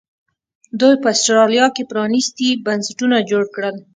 دوی په اسټرالیا کې پرانیستي بنسټونه جوړ کړل.